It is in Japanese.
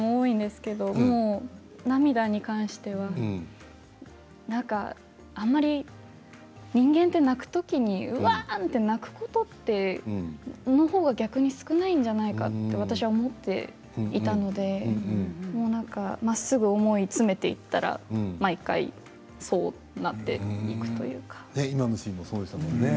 朝からわりとハードめなところも多いんですけれど涙に関してはあまり人間って泣くときってうわあって泣くことってそっちのほうが少ないんじゃないかと私は思っていたのでまっすぐ思い詰めていたら毎回そうなっていくというか。